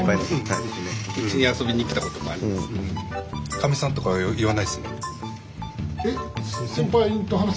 かみさんとかは言わないですね。